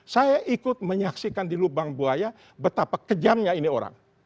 saya ikut menyaksikan di lubang buaya betapa kejamnya ini orang